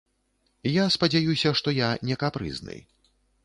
Я спадзяюся, што я не капрызны.